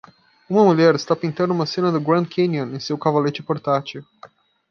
Uma mulher está pintando uma cena do Grand Canyon em seu cavalete portátil.